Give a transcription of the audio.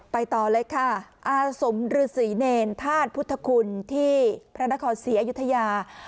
ไปต่อเลยค่ะอาสมฤษีเนรธาตุพุทธคุณที่พระนครศรีอยุธยา